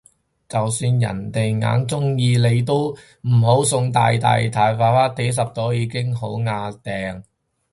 就算人哋哽鍾意你都唔好送太大紮花，幾十朵已經好椏掟